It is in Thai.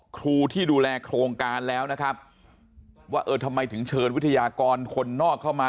ครูที่ดูแลโครงการแล้วนะครับว่าเออทำไมถึงเชิญวิทยากรคนนอกเข้ามา